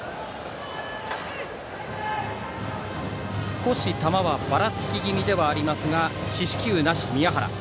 少し球はばらつき気味ではありますが四死球なし、宮原。